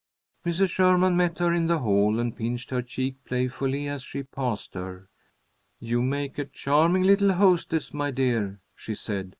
Mrs. Sherman met her in the hall, and pinched her cheek playfully as she passed her. "You make a charming little hostess, my dear," she said.